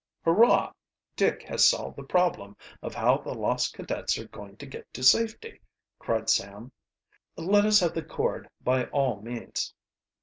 "Hurrah! Dick, has solved the problem of how the lost cadets are going to get to safety," cried Sam. "Let us have the cord by all means."